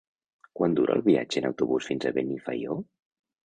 Quant dura el viatge en autobús fins a Benifaió?